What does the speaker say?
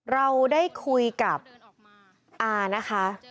เราได้คุยกับอานะคะ